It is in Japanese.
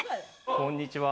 こんにちは。